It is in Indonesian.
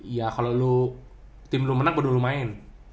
ya kalau lu tim belum menang baru lumayan